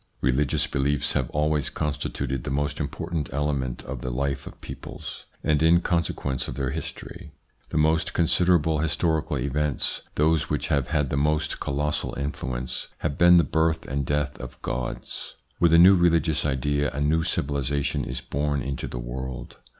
Religious beliefs have always constituted the most important element of the life of peoples, and in consequence of their history. The most considerable 190 THE PSYCHOLOGY OF PEOPLES 191 historical events, those which have had the most colossal influence, have been the birth and death of gods. With a new religious idea a new civilisation is born into the world.